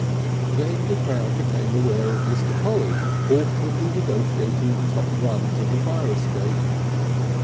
Then the crowd became aware of Mr. Polly awkwardly negotiating the top rungs of the fire escape.